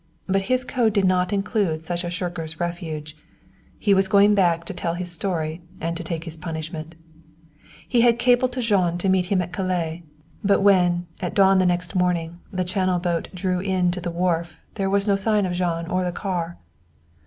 But his code did not include such a shirker's refuge. He was going back to tell his story and to take his punishment. He had cabled to Jean to meet him at Calais, but when, at dawn the next morning, the channel boat drew in to the wharf there was no sign of Jean or the car.